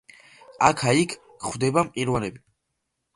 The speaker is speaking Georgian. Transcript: აქა–იქ გვხვდება მყინვარი.